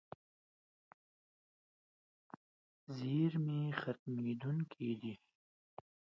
زیرمې ختمېدونکې دي.